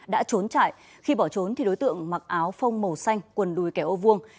đã trốn chạy khi bỏ trốn thì đối tượng mặc áo phông màu xanh quần đùi kẻ ô vuông